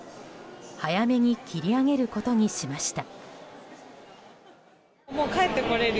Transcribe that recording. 早めに切り上げることにしました。